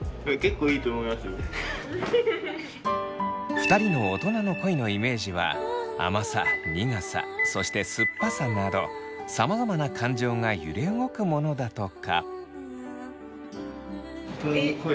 ２人の大人の恋のイメージは甘さ苦さそして酸っぱさなどさまざまな感情が揺れ動くものだとか。